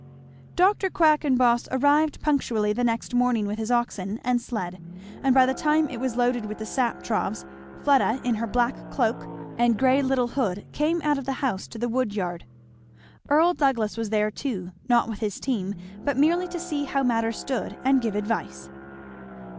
Dr. Quackenboss arrived punctually the next morning with his oxen and sled; and by the time it was loaded with the sap troughs, Fleda in her black cloak, yarn shawl, and grey little hood came out of the house to the wood yard. Earl Douglass was there too, not with his team, but merely to see how matters stood and give advice.